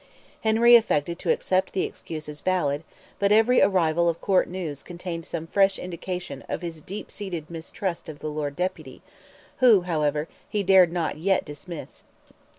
Henry affected to accept the excuse as valid, but every arrival of Court news contained some fresh indication of his deep seated mistrust of the Lord Deputy, who, however, he dared not yet dismiss.